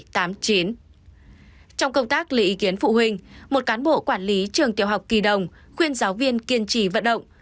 trong công tác lấy ý kiến phụ huynh một cán bộ quản lý trường tiểu học kỳ đồng khuyên giáo viên kiên trì vận động